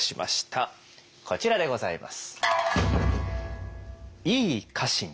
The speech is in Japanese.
こちらでございます。